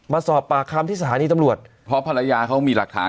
มาสอบปากคำที่สถานีตำรวจเพราะภรรยาเขามีหลักฐาน